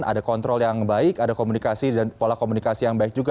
ada kontrol yang baik ada komunikasi dan pola komunikasi yang baik juga